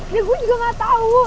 ya gua juga gak tau